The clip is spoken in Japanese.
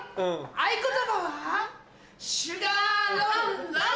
合言葉は。